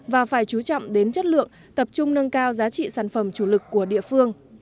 và phải chú trọng đến chất lượng tập trung nâng cao giá trị sản phẩm chủ lực của địa phương